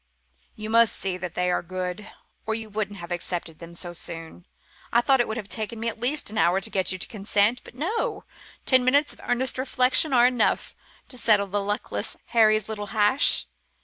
"You must see that they are good, or you wouldn't have accepted them so soon. I thought it would have taken me at least an hour to get you to consent. But no ten minutes of earnest reflection are enough to settle the luckless Harry's little hash.